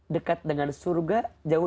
dekat dengan surga jauh